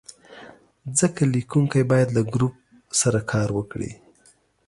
ځکه لیکونکی باید له ګروپ سره کار وکړي.